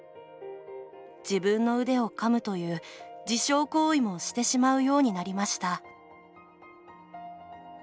自分の腕をかむという自傷行為もしてしまうようになりました」。